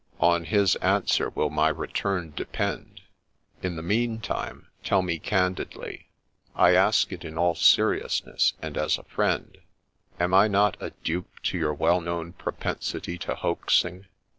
On his answer will my return depend ! In the meantime tell me candidly, — I ask it in all seriousness, and as a friend, — am I not a dupe to your well known propensity to hoaxing